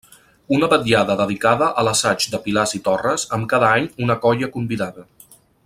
Una vetllada dedicada a l'assaig de pilars i torres amb cada any una colla convidada.